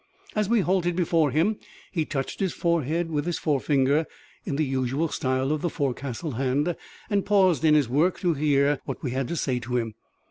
As we halted before him he touched his forehead with his forefinger, in the usual style of the forecastle hand, and paused in his work to hear what we had to say to him.